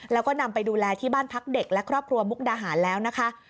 แล้วก็นำไปดูแลที่บ้านพักเด็กและครอบครัวมุกดาหารแล้วนะคะ